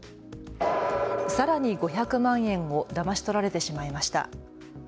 さらに５００万円をだまし取られてしまいました。